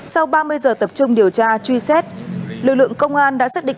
sau ba mươi giờ tập trung điều tra truy xét lực lượng công an đã xác định